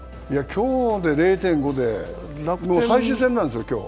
今日で０．５で最終戦なんですよ、今日。